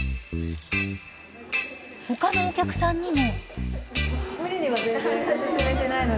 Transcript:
他のお客さんにも。